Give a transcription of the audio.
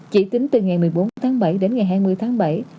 chỉ tính từ ngày một mươi bốn tháng bảy đến ngày hai mươi tháng bảy